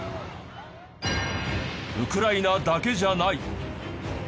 ウクライナだけじゃない。